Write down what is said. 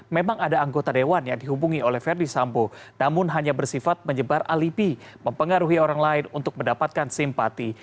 memang ada anggota dewan yang dihubungi oleh verdi sambo namun hanya bersifat menyebar alibi mempengaruhi orang lain untuk mendapatkan simpati